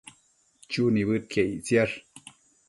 Chu nibëdquiec ictisash